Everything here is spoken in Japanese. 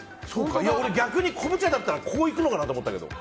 俺、逆に昆布茶だったらこういくのかと思ったけど。